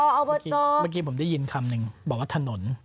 เมื่อกี้ผมได้ยินคำหนึ่งบอกว่าถนน